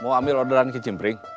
mau ambil orderan kicimpring